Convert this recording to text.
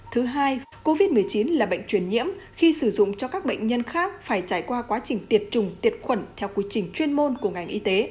thứ hai covid một mươi chín là bệnh truyền nhiễm khi sử dụng cho các bệnh nhân khác phải trải qua quá trình tiệt trùng tiệt khuẩn theo quy trình chuyên môn của ngành y tế